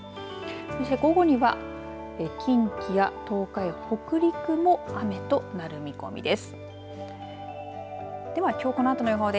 そして午後には近畿や東海北陸も雨となる見込みです。